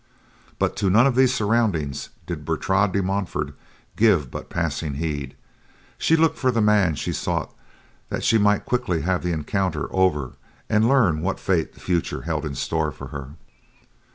But to none of these surroundings did Bertrade de Montfort give but passing heed; she looked for the man she sought that she might quickly have the encounter over and learn what fate the future held in store for her.